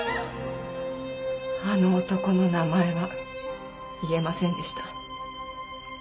あの男の名前は言えませんでした。